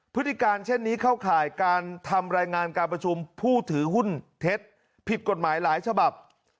พฤติการเช่นนี้เข้าข่ายการทำรายงานการประชุมผู้ถือหุ้นเท็จผิดกฎหมายหลายฉบับ